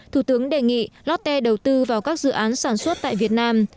thủ tướng đề nghị lotte đầu tư vào các dự án sản xuất tại việt nam